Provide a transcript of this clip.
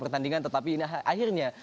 pertandingan tetapi ini akhirnya